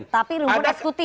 tapi luar akutif